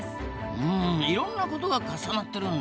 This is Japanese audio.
うんいろんなことが重なってるんだ。